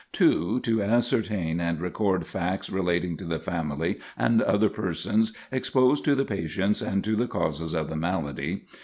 2. To ascertain and record facts relating to the family and other persons exposed to the patients and to the causes of the malady.